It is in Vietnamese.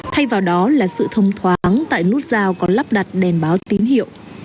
thay vào đó là sự thông thoáng tại nút rào có lắp đặt đèn báo tín hiệu